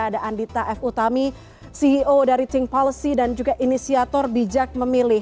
ada andita f utami ceo dari think policy dan juga inisiator bijak memilih